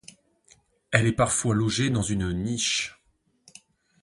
Elle est parfois logée dans une niche.